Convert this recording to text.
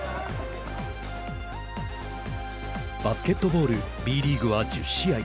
バスケットボール、Ｂリーグは１０試合。